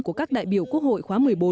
của các đại biểu quốc hội khóa một mươi bốn